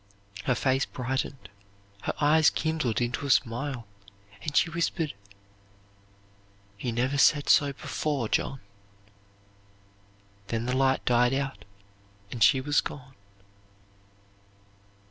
Her face brightened, her eyes kindled into a smile, and she whispered: "You never said so before, John." Then the light died out, and she was gone.